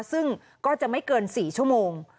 ซึ่งก็จะไม่เกิน๔ชั่วโมง